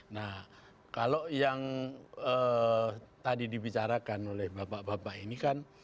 nah kalau yang tadi dibicarakan oleh bapak bapak ini kan